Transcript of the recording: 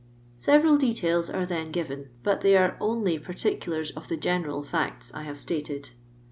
Sereral details are then given, but they are only particuhus of the general het§ I have stated.